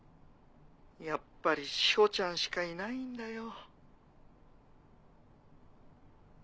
やっぱり志帆ちゃんしかいないんだよ。